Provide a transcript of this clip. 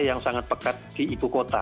yang sangat pekat di ibukota